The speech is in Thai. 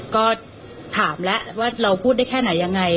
ก็ถามแล้วว่าเราพูดได้แค่ไหนยังไง